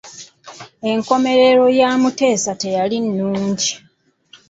Enkomerero ya Muteesa teyali nnungi.